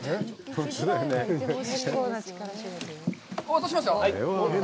落としますよ。